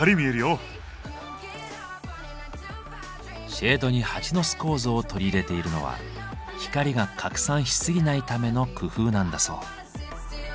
シェードにハチの巣構造を取り入れているのは光が拡散しすぎないための工夫なんだそう。